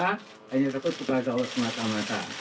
hanya saya suka tahu semata mata